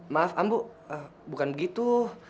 maaf ambu bukan begitu